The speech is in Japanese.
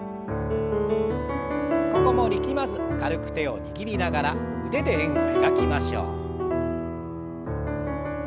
ここも力まず軽く手を握りながら腕で円を描きましょう。